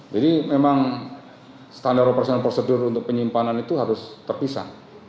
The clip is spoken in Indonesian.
jadi memang standar operasional prosedur untuk penyimpanan itu harus terpisah